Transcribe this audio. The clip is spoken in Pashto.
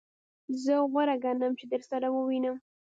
زه غوره ګڼم چی درسره ووینم.